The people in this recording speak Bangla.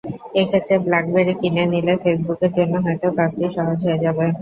এক্ষেত্রে ব্ল্যাকবেরি কিনে নিলে ফেসবুকের জন্য হয়তো কাজটি সহজ হয়ে যাবে।